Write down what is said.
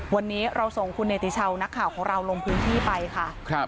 วันนี้เราส่งคุณเนติชาวนักข่าวของเราลงพื้นที่ไปค่ะ